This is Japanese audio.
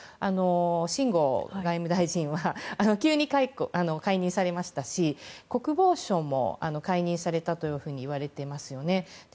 シン・ゴウ外務大臣は急に解任されましたし国防相も解任されたというふうにいわれていますよね。